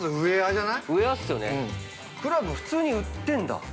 クラブ、普通に売ってんだ。